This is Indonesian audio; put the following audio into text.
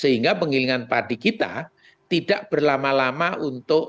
sehingga penggilingan padi kita tidak berlama lama untuk